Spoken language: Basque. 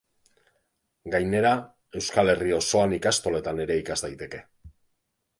Gainera, Euskal Herri osoan ikastoletan ere ikas daiteke.